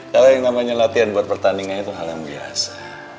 kalau yang namanya latihan buat pertandingan itu hal yang biasa